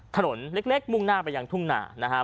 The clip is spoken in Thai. ถนนเล็กมุ่งหน้าไปอย่างทุ่งหน้า